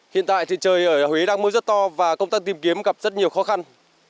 hiện tại thì trời ở huế đang mưa rất to và công tác tìm kiếm gặp rất nhiều khó khăn